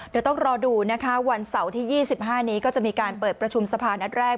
เดี๋ยวต้องรอดูนะคะวันเสาร์ที่๒๕นี้ก็จะมีการเปิดประชุมสะพานนัดแรก